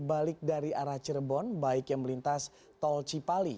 balik dari arah cirebon baik yang melintas tol cipali